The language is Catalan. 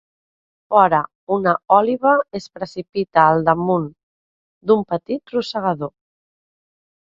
Fora, una òliba es precipita al damunt d'un petit rosegador.